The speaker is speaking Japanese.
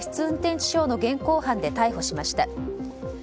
運転致傷の現行犯で逮捕しました。